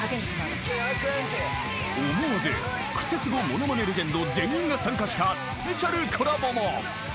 ［思わずクセスゴものまねレジェンド全員が参加したスペシャルコラボも］